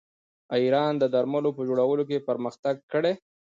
ایران د درملو په جوړولو کې پرمختګ کړی.